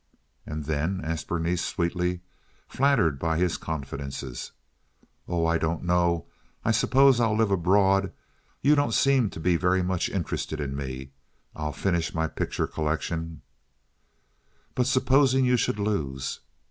"And then—" asked Berenice sweetly, flattered by his confidences. "Oh, I don't know. I suppose I'll live abroad. You don't seem to be very much interested in me. I'll finish my picture collection—" "But supposing you should lose?"